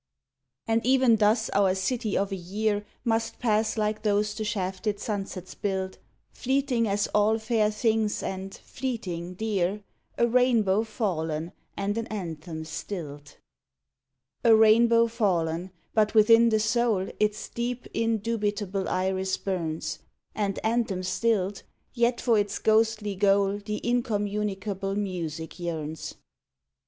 And even thus our city of a year Must pass like those the shafted sunsets build, Fleeting as all fair things and, fleeting, dear A rainbow fallen and an anthem stilled. 105 THE EVANESCENT CITY A rainbow fallen but within the soul Its deep, indubitable iris burns; And anthem stilled yet for its ghostly goal The incommunicable music yearns.